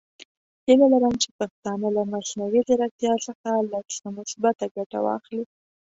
هیله لرم چې پښتانه له مصنوعي زیرکتیا څخه لږ څه مثبته ګټه واخلي.